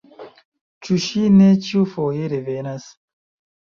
Ĉu ŝi ne ĉiufoje revenas?